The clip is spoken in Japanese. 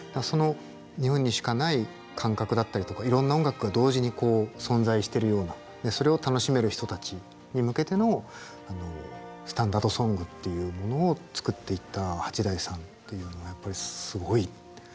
その日本にしかない感覚だったりとかいろんな音楽が同時に存在してるようなそれを楽しめる人たちに向けてのスタンダード・ソングっていうものを作っていった八大さんっていうのはやっぱりすごい。